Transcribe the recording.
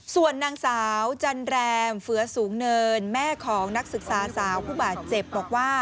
ส่วนนางสาวจันแรมเฟื้อสูงเนินแม่ของนักศึกษาสาวผู้บาดเจ็บบอกว่า